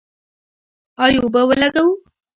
آیا اوبه ولګوو؟